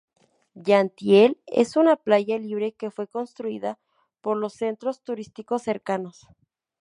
Jan Thiel es una playa libre que fue construida por los centros turísticos cercanos.